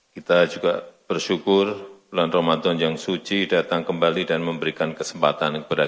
kita juga bersyukur bulan ramadan yang suci datang kembali dan memberikan kesempatan kepada